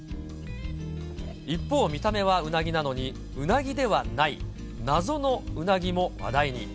一方、見た目はうなぎなのにうなぎではない、謎のうなぎも話題に。